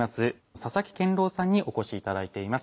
佐々木健郎さんにお越し頂いています。